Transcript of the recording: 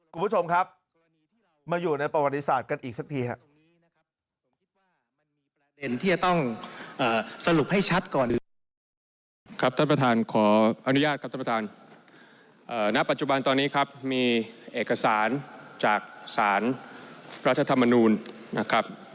คุณผู้ชมครับมาอยู่ในประวัติศาสตร์กันอีกสักทีครับ